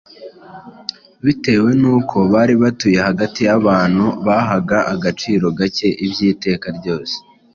Bitewe n’uko bari batuye hagati y’abantu bahaga agaciro gake iby’iteka ryose ,